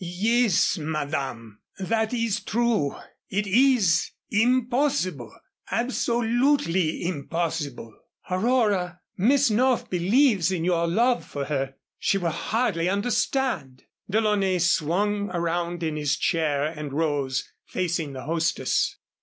"Yes, Madame, that is true. It is impossible, absolutely impossible." "Aurora Miss North believes in your love for her she will hardly understand " DeLaunay swung around in his chair and rose, facing the hostess.